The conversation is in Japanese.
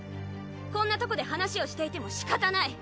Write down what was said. こんなとこで話をしていてもしかたない。